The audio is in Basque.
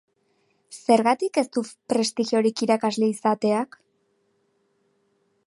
Zergatik ez du prestigiorik irakasle izateak?